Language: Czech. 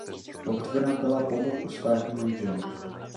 Pohřbena byla po boku svého manžela.